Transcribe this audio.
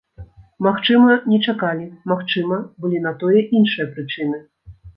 Магчыма, не чакалі, магчыма, былі на тое іншыя прычыны.